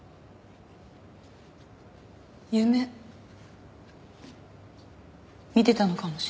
夢見てたのかもしれない。